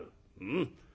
うん。